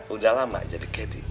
udah lama jadi kedi